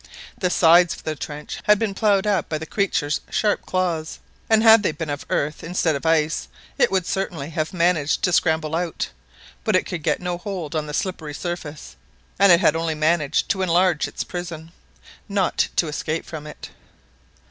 The sides of the trench had been ploughed up by the creature's sharp claws, and had they been made of earth instead of ice, it would certainly have managed to scramble out, but it could get no hold on the slippery surface, and it had only managed to enlarge its prison, not to escape from it.